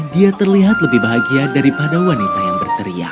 dia terlihat lebih bahagia daripada wanita yang berteriak